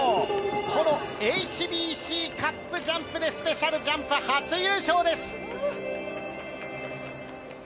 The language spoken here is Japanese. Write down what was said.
このＨＢＣカップジャンプでスペシャルジャンプ初優勝です。